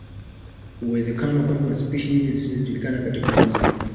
uwezekano kwamba spishi nyingi zisizojulikana katika Amazon